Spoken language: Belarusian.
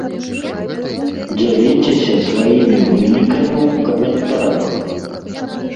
Дзяліцеся сваімі вынікамі ў каментарах!